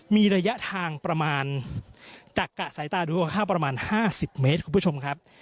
มีระยะทางประมาณจากกะสายตาดูข้างประมาณ๕๐เมตรคุณผู้ชมครับ